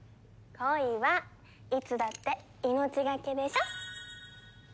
恋はいつだって命がけでしょ？